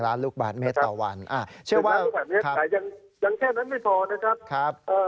๑ล้านลูกบาทเมตรต่อวันแต่ยังแค่นั้นไม่พอนะครับ